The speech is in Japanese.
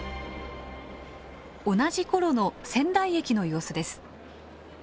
同じ頃の仙台駅の様子です。